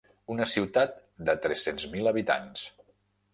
Una ciutat de tres-cents mil habitants.